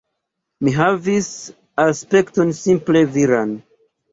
Mi havis aspekton simple viran.